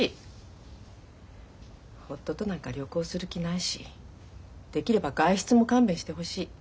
夫となんか旅行する気ないしできれば外出も勘弁してほしい。